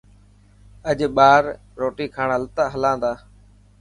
اڄ ٻاهر روٽي کان هلا تا.